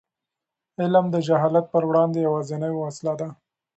علم د جهالت پر وړاندې یوازینۍ وسله ده.